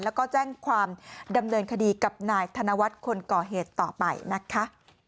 แล้วก็แจ้งความดำเนินคดีกับนายธนวัฒน์คนก่อเหตุต่อไปนะคะ